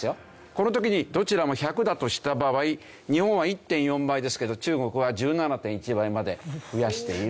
この時にどちらも１００だとした場合日本は１．４倍ですけど中国は１７．１倍まで増やしているという事。